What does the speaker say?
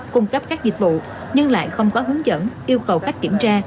cung cấp các dịch vụ nhưng lại không có hướng dẫn yêu cầu cách kiểm tra